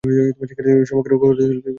সুমোকে রক্ষা করার জন্যই করা এসব।